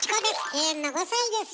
永遠の５さいです。